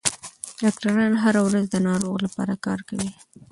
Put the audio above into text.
ډاکټران هره ورځ د ناروغ لپاره کار کوي.